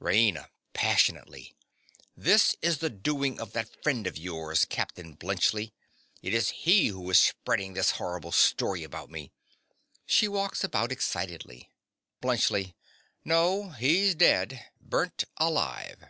RAINA. (passionately). This is the doing of that friend of yours, Captain Bluntschli. It is he who is spreading this horrible story about me. (She walks about excitedly.) BLUNTSCHLI. No: he's dead—burnt alive.